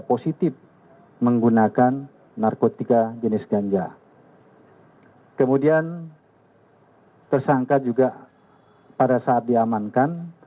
positif menggunakan narkotika jenis ganja kemudian tersangka juga pada saat diamankan